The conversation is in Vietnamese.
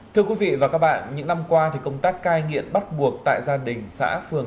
thưa quý vị và các bạn những năm qua công tác cai nghiện bắt buộc tại gia đình xã phường